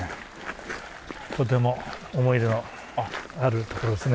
とても思い出のある所ですね。